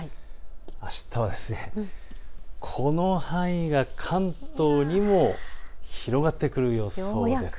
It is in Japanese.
あしたはこの範囲が関東にも広がってきそうです。